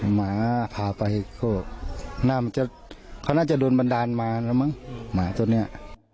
หมาพาไปก็น่าจะเขาน่าจะโดนบันดาลมาแล้วมั้งหมาตัวเนี้ย